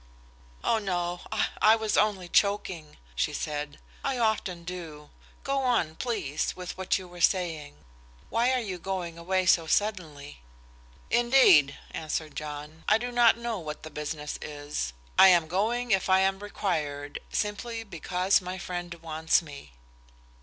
"Oh no! I was only choking," she said. "I often do. Go on, please, with what you were saying. Why are you going away so suddenly?" "Indeed," answered John, "I do not know what the business is. I am going if I am required, simply because my friend wants me."